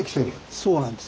そうなんです。